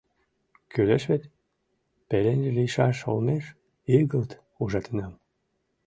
Кӱлеш вет, пеленже лийшаш олмеш, игылт ужатенам».